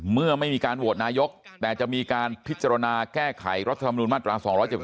เมื่อไม่มีการโหวตนายกแต่จะมีการพิจารณาแก้ไขรัฐธรรมนุนมาตรา๒๗๖